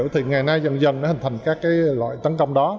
thì ngày nay dần dần nó hình thành các loại tấn công đó